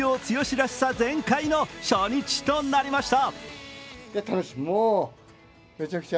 らしさ全開の初日となりました。